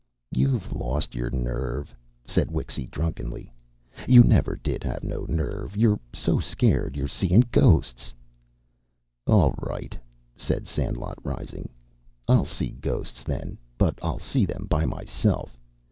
"You've lost your nerve!" said Wixy drunkenly. "You never did have no nerve. You're so scared you're seein' ghosts." "All right!" said Sandlot, rising. "I'll see ghosts, then. But I'll see them by myself.